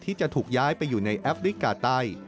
ที่จะถูกย้ายไปอยู่ในแอฟริกาใต้